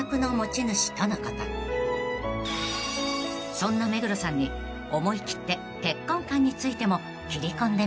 ［そんな目黒さんに思い切って結婚観についても切り込んでみました］